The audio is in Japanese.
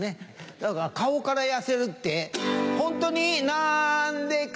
だから顔から痩せるってホントになんでか？